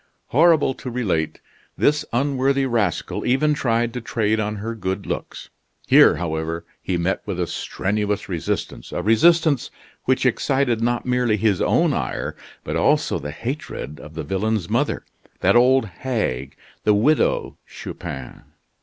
Horrible to relate, this unworthy rascal even tried to trade on her good looks. Here, however, he met with a strenuous resistance a resistance which excited not merely his own ire, but also the hatred of the villain's mother that old hag, the Widow Chupin.